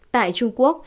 tại trung quốc